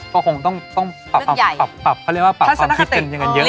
ก็คงต้องปรับเพราะเรียกว่าปรับความคิดเกินอย่างเยอะเหมือนกัน